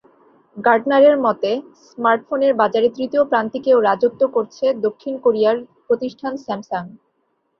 গার্টনারের মতে, স্মার্টফোনের বাজারে তৃতীয় প্রান্তিকেও রাজত্ব করছে দক্ষিণ কোরিয়ার প্রতিষ্ঠান স্যামসাং।